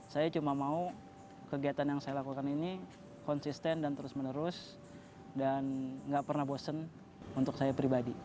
saya cuma mau kegiatan yang saya lakukan ini konsisten dan terus menerus dan nggak pernah bosen untuk saya pribadi